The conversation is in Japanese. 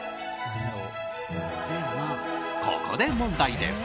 ここで問題です。